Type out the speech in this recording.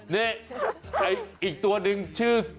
เนี่ยอีกตัวหนึ่งชื่อซูมี่